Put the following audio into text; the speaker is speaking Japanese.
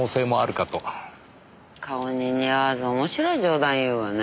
顔に似合わずおもしろい冗談言うわね。